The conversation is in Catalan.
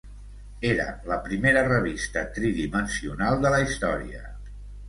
Era la primera revista tridimensional de la història.